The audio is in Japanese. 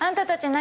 何？